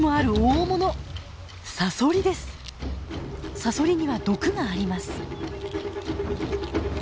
サソリには毒があります。